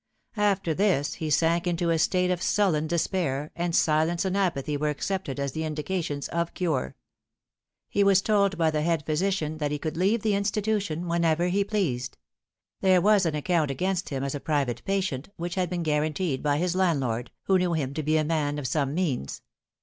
After this he sank into a state of sullen despair, and silence and apathy were accepted as the indications of cure. He was told by the head physician that he could leave the institution whenever he pleased. There was an account against him as a private patient, which had been guaranteed by his landlord, who knew him to be a man of some means.